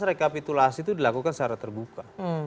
rekapitulasi itu dilakukan secara terbuka